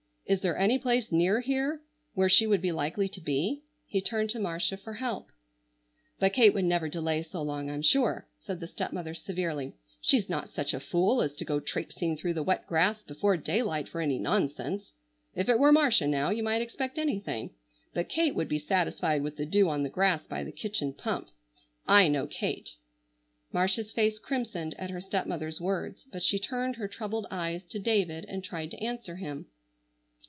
Is there any place near here where she would be likely to be?" He turned to Marcia for help. "But Kate would never delay so long I'm sure," said the stepmother severely. "She's not such a fool as to go traipsing through the wet grass before daylight for any nonsense. If it were Marcia now, you might expect anything, but Kate would be satisfied with the dew on the grass by the kitchen pump. I know Kate." Marcia's face crimsoned at her stepmother's words, but she turned her troubled eyes to David and tried to answer him.